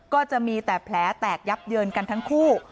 ก็จะมีแต่แผลแตกยับเยินกันทั้งคู่